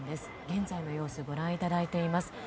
現在の様子をご覧いただいています。